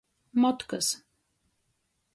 Motkys.